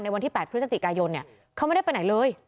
วันที่๘พฤศจิกายนเขาไม่ได้ไปไหนเลย